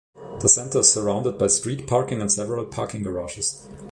The center is surrounded by street parking and several parking garages.